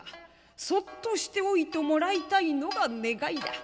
そっとしておいてもらいたいのが願いだ」。